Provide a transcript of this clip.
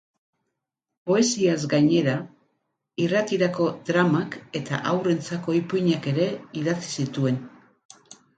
Poesiaz gainera, irratirako dramak eta haurrentzako ipuinak ere idatzi zituen.